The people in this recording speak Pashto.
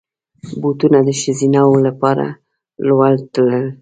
بوټونه د ښځینه وو لپاره لوړ تل لري.